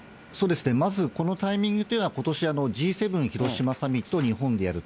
このタイミングというのは、ことし、Ｇ７、広島サミットを日本でやると。